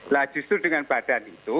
nah justru dengan badan itu